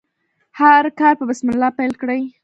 هر کار په بسم الله پیل کړئ.